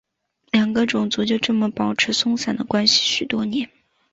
两个种族就这么保持松散的关系许多年。